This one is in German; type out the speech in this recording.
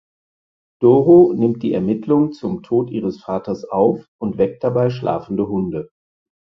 Doro nimmt die Ermittlungen zum Tod ihres Vaters auf und weckt dabei schlafende Hunde.